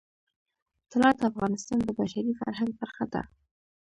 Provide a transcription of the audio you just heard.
طلا د افغانستان د بشري فرهنګ برخه ده.